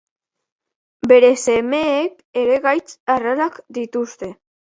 Bere semeek ere gaitz arraroak dituzte.